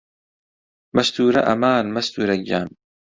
مەستوورە ئەمان مەستوورە گیان